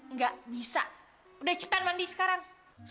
nggak bisa udah ciptaan mandi sekarang